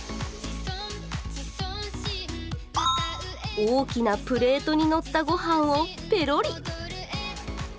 大きなプレートにのったご飯をぺろり。